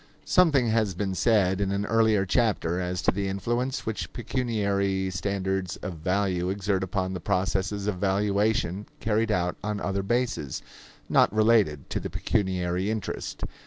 Something has been said in an earlier chapter as to the influence which pecuniary standards of value exert upon the processes of valuation carried out on other bases, not related to the pecuniary interest.